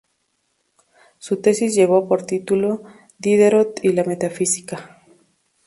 Su tesis llevó por título "Diderot y la metafísica".